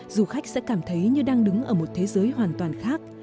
du khách sẽ cảm thấy như đang đứng ở một thế giới hoàn toàn khác